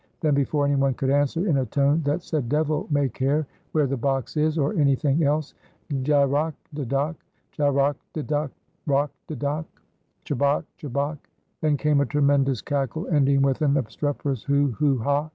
then before any one could answer, in a tone that said devil may care where the box is or anything else, gyroc de doc! gyroc de doc! roc de doc! cheboc cheboc! Then came a tremendous cackle ending with an obstreperous hoo! hoo! ha!